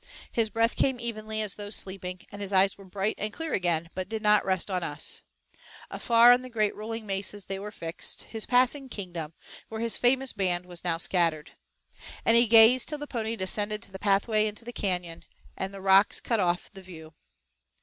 His breath came evenly as though sleeping, and his eyes were bright and clear again, but did not rest on us. Afar on the great rolling mesas they were fixed, his passing kingdom, where his famous band was now scattered. And he gazed till the pony descended the pathway into the canyon, and the rocks cut off the view.